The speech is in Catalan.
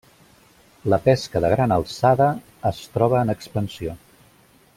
La pesca de gran alçada, es troba en expansió.